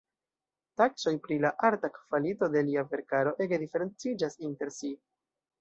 Taksoj pri la arta kvalito de lia verkaro ege diferenciĝas inter si.